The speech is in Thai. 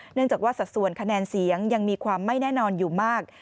เนื่องจากว่าสัดส่วนคะแนนเสียงยังมีความไม่แน่นอนอยู่มาก